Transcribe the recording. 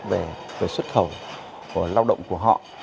về xuất khẩu của lao động của họ